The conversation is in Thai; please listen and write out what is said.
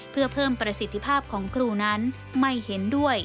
เพื่อเพิ่มประสิทธิภาพของครูนั้นไม่เห็นด้วย